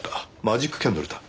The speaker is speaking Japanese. マジックキャンドルだ。